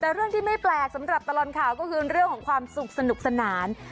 แต่เรื่องที่ไม่แปลกสำหรับตลอดข่าวก็คือเรื่องของความสุขสนุกสนาน